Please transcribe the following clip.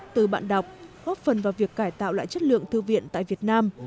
của các bạn đọc góp phần vào việc cải tạo lại chất lượng thư viện tại việt nam